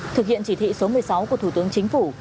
thực hiện chỉ thị số một mươi sáu của thủ tướng chính phủ